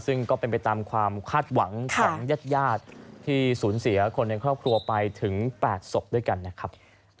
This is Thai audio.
ซึ่งก็เป็นไปตามความคาดหวังของญาติที่สูญเสียคนในครอบครัวไปถึง๘ศพด้วยกันนะครับ